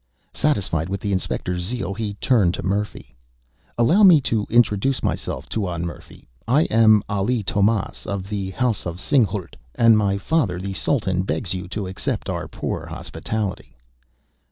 Satisfied with the inspector's zeal, he turned to Murphy. "Allow me to introduce myself, Tuan Murphy. I am Ali Tomás, of the House of Singhalût, and my father the Sultan begs you to accept our poor hospitality."